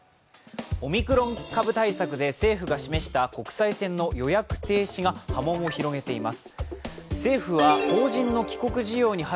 オミクロン株対策で政府が示した国際線の予約停止が波紋を広げています。